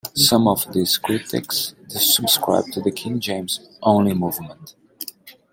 Some of these critics subscribe to the King James Only movement.